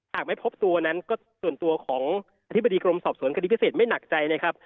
หากไม่พบตัวนั้นก็ส่วนตัวของอธิบดีกรมสอบสวนคดีพิเศษไม่หนักใจนะครับ